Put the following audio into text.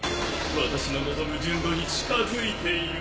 私の望む純度に近づいている。